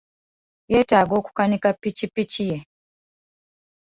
Yeetaaga okukanika ppikipiki ye.